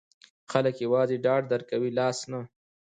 خلګ یوازې ډاډ درکوي، لاس نه.